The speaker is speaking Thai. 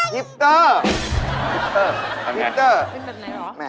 ฮิปเตอร์ฮิปเตอร์ฮิปเตอร์ทำอย่างไร